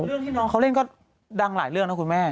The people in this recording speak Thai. เรื่องที่น้องเขาเล่นก็ดังหลายเรื่องนะคุณแม่